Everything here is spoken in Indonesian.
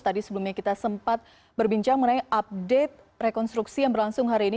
tadi sebelumnya kita sempat berbincang mengenai update rekonstruksi yang berlangsung hari ini